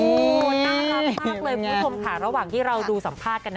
คุณผู้ชมขาระหว่างที่เราดูสัมภาษณ์กันนะ